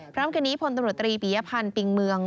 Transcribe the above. พระน้ำการิพลตำรวจตรีปียพันธ์ปิงเมือง